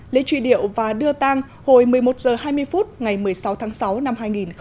lễ truy điệu và đưa tang hồi một mươi một h hai mươi phút ngày một mươi sáu tháng sáu năm hai nghìn một mươi chín